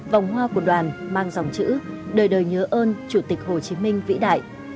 vòng hoa của đoàn mang dòng chữ đời đời nhớ ơn chủ tịch hồ chí minh vĩ đại